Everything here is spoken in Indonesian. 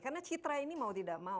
karena citra ini mau tidak mau